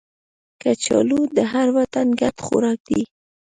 کچالو د هر وطن ګډ خوراک دی